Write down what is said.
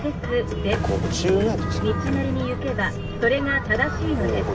「道なりに行けばそれが正しいのです」。